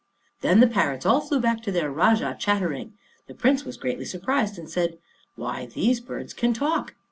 Then the parrots all flew back to their Rajah, chattering. The Prince was greatly surprised, and said, "Why, these birds can talk!"